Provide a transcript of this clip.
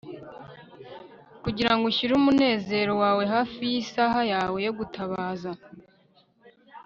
Kugirango ushire umunezero wawe hafi yisaha yawe yo gutabaza